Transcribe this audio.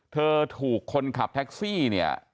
เธอถูกคนขับแท็กซี่